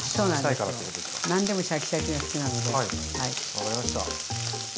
分かりました。